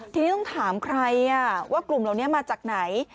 ทีนี้ต้องถามใครว่ากลุ่มเหล่านี้มาจากไหน